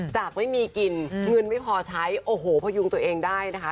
จากไม่มีกินเงินไม่พอใช้โอ้โหพยุงตัวเองได้นะคะ